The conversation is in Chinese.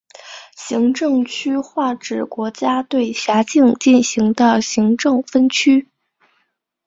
行政区划指国家对辖境进行的行政分区。